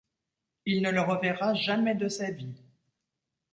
Il ne le reverra jamais de sa vie.